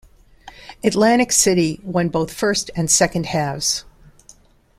Atlantic City won both first and second halves.